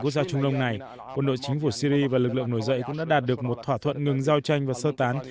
cũng đã đạt được một thỏa thuận ngừng giao tranh và sơ tán